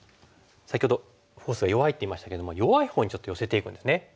先ほどフォースが弱いって言いましたけども弱いほうにちょっと寄せていくんですね。